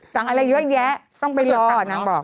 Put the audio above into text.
สั่งอะไรเยอะแยะต้องไปรอนางบอก